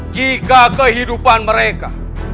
jika kehidupan mereka